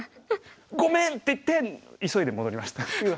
「ごめん！」って言って急いで戻りましたっていう話。